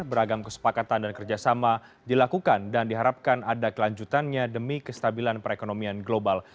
beragam kesepakatan dan kerjasama dilakukan dan diharapkan ada kelanjutannya demi kestabilan perekonomian global